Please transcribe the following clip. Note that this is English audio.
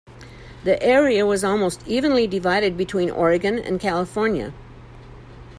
The area was almost evenly divided between Oregon and California.